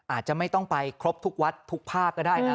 อาจจะไม่ต้องไปครบทุกวัดทุกภาคก็ได้นะ